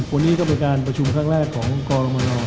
วันนี้ก็เป็นการประชุมครั้งแรกของกรมน